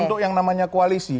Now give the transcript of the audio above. untuk yang namanya koalisi